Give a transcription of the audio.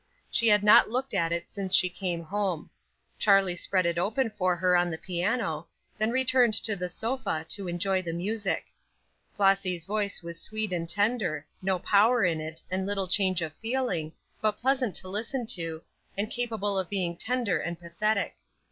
She had not looked at it since she came home. Charlie spread it open for her on the piano, then returned to the sofa to enjoy the music. Flossy's voice was sweet and tender; no power in it, and little change of feeling, but pleasant to listen to, and capable of being tender and pathetic.